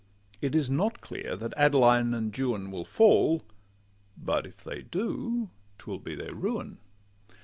It is not clear that Adeline and Juan Will fall; but if they do, 'twill be their ruin.